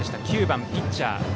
９番ピッチャー。